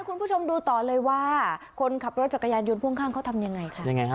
คุณผู้ชมดูต่อเลยว่าคนขับรถจักรยานยนต์พ่วงข้างเขาทำยังไงค่ะยังไงฮะ